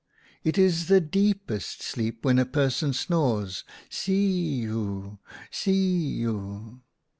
It is the deepest sleep when a person snores see uw, see uw.